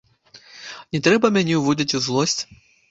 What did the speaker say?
Не трэба мяне ўводзіць у злосць.